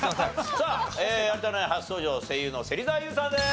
さあ有田ナイン初登場声優の芹澤優さんです。